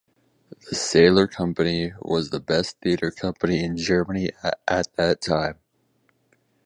The Seyler Company was the best theatre company in Germany at that time.